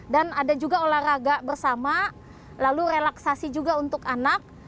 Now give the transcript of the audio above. dan ada juga olahraga bersama lalu relaksasi juga untuk anak